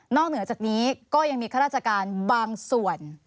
เหนือจากนี้ก็ยังมีข้าราชการบางส่วน